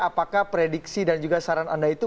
apakah prediksi dan juga saran anda itu